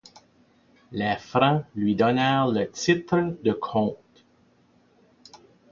Les Francs lui donnèrent le titre de comte.